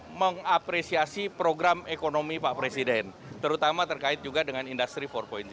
saya rasa pak sandiaga uno mengapresiasi program ekonomi pak presiden terutama terkait juga dengan industri empat